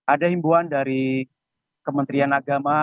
ada himbuan dari kementerian agama